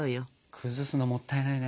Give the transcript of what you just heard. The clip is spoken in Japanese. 崩すのもったいないね。